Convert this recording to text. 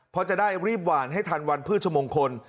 เพราะจะได้รีบหวานให้ทันวันพฤชมงคล